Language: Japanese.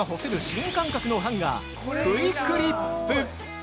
新感覚のハンガー、クイクリップ。